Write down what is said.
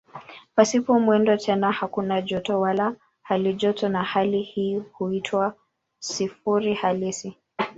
Pasipo mwendo tena hakuna joto wala halijoto na hali hii huitwa "sifuri halisi".